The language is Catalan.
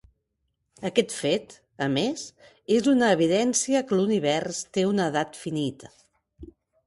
Aquest fet, a més, és una evidència que l'univers té una edat finita.